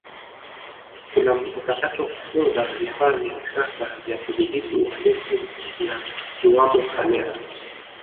kuna mkakati wa kufunga vifaa vya kisasa vya kudhibiti uhalifu na zikiwamo kamera